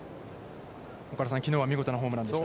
岡田さん、きのうは見事なホームランでした。